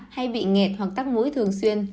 hay bị nghẹt hoặc tắt mũi thường xuyên